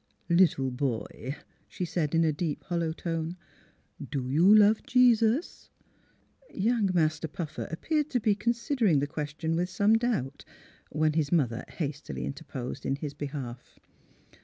'* Little boy," she said, in a deep, hollow tone, " do you love Jesus! " 300 THE HEAET OF PHILURA Young Master Puffer appeared to be consider ing the question with some doubt, when his mother hastily interposed in his behalf.